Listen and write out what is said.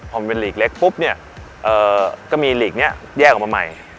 พอมันเป็นหลีกเล็กปุ๊บเนี่ยก็มีหลีกนี้แยกออกมาใหม่